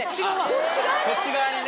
こっち側にね。